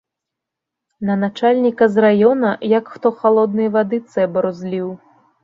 На начальніка з раёна як хто халоднай вады цэбар узліў.